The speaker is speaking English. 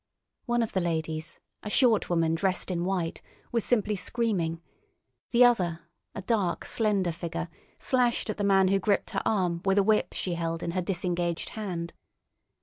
One of the ladies, a short woman dressed in white, was simply screaming; the other, a dark, slender figure, slashed at the man who gripped her arm with a whip she held in her disengaged hand.